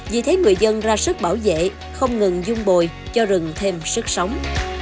vì thế người dân ra sức bảo vệ không ngừng dung bồi cho rừng thêm sức sống